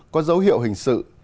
có dấu hiệu hình sự